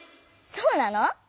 そうなの？